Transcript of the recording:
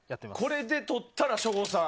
これで取ったら、省吾さん。